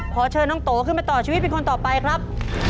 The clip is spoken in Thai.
ขอเชิญน้องโตขึ้นมาต่อชีวิตเป็นคนต่อไปครับ